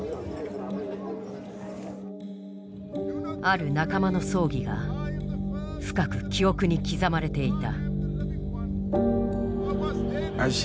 ある仲間の葬儀が深く記憶に刻まれていた。